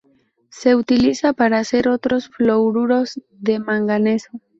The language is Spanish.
Se utiliza para hacer otros fluoruros de manganeso.